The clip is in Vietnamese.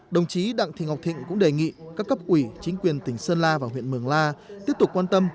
đồng chí đặng thị ngọc thịnh cũng đề nghị các cấp ủy chính quyền tỉnh sơn la và huyện mường la tiếp tục quan tâm